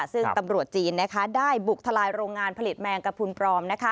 ซึ่งตำรวจจีนได้บุกทลายโรงงานผลิตแมงกระพุนปลอม